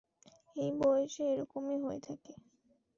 এই বয়সে, এরকম হয়েই থাকে!